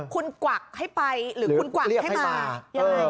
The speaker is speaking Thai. คุณกวักให้ไปหรือคุณกวักให้มายังไง